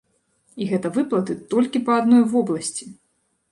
І гэта выплаты толькі па адной вобласці!